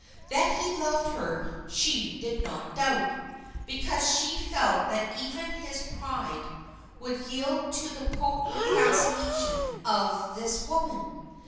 That he loved her she did not doubt, because she felt that even his pride would yield to the potent fascination of this woman.